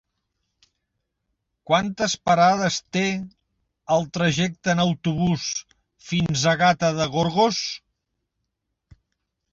Quantes parades té el trajecte en autobús fins a Gata de Gorgos?